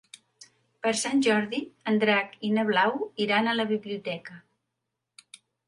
Per Sant Jordi en Drac i na Blau iran a la biblioteca.